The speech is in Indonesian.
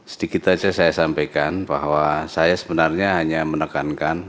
sedikit saja saya sampaikan bahwa saya sebenarnya hanya menekankan